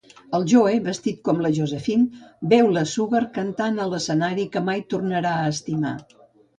El Joe, vestit com la Josephine, veu la Sugar cantant a l'escenari que mai tornarà a estimar.